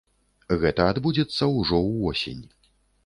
Гэта адбудзецца ўжо ўвосень.